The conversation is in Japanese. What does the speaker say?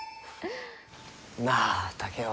なあ竹雄。